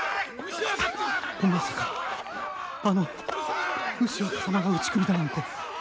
まさかあの牛若様が打ち首だなんて！